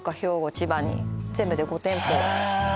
千葉に全部で５店舗へえ